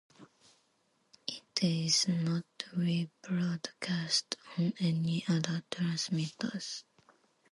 It is not rebroadcast on any other transmitters.